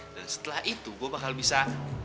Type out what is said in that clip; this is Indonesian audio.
dan setelah itu gua bakal bisa